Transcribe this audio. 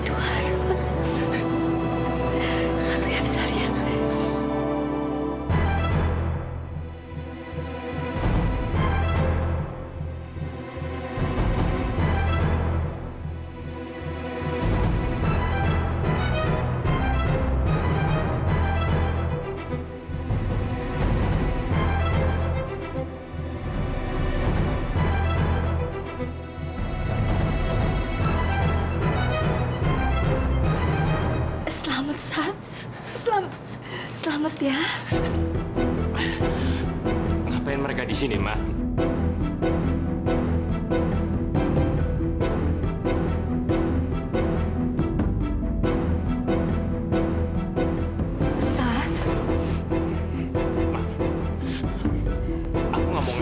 terima kasih tuhan